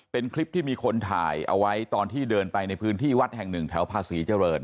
เป็นคลิปที่มีคนถ่ายเอาไว้ตอนที่เดินไปในพื้นที่วัดแห่งหนึ่งแถวภาษีเจริญ